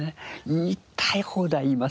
言いたい放題言いますよ